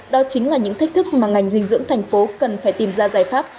đó chính là những thách thức mà ngành dinh dưỡng thành phố cần phải tìm ra giải pháp